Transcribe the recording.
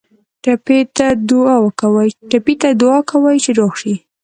ټپي ته باید دعا کوو چې روغ شي.